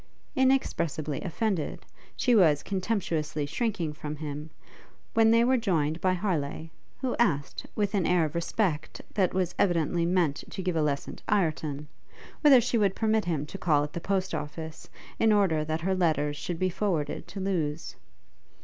Inexpressibly offended, she was contemptuously shrinking from him, when they were joined by Harleigh, who asked, with an air of respect that was evidently meant to give a lesson to Ireton, whether she would permit him to call at the post office, to order that her letters should be forwarded to Lewes.